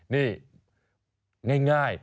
นี่ง่าย